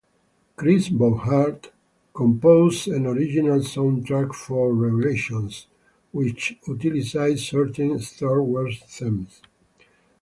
Chris Bouchard composed an original soundtrack for "Revelations", which utilizes certain "Star Wars" themes.